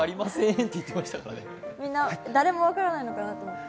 みんな、誰も分からないのかなと思って。